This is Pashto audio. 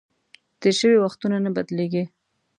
تېر شوي وختونه نه بدلیږي .